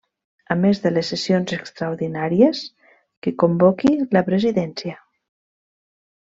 A més de les sessions extraordinàries que convoqui la presidència.